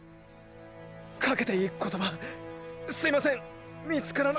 かけていい言葉すいません見つからな。